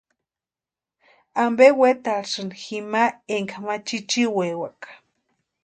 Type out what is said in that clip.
¿Ampe wetarhisïni jima énka ma chichiwaewaka?